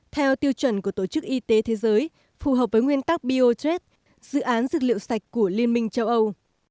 theo tiêu chuẩn của tổ chức y tế thế giới phù hợp với nguyên tắc biograte dự án dược liệu sạch của liên minh châu âu